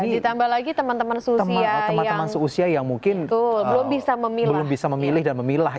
ditambah lagi teman teman seusia yang belum bisa memilah